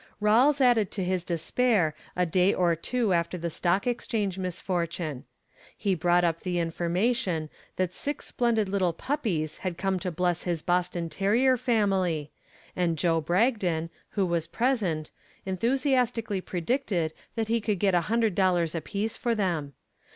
Rawles added to his despair a day or two after the Stock Exchange misfortune. He brought up the information that six splendid little puppies had come to bless his Boston terrier family, and Joe Bragdon, who was present, enthusiastically predicted that he could get $100 apiece for them.